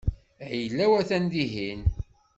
Ayla-w atan dihin.